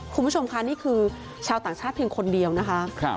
คุณผู้ชมค่ะนี่คือชาวต่างชาติเพียงคนเดียวนะคะ